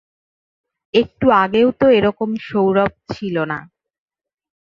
একটু আগেও তো এ রকম সৌরভ ছিল না।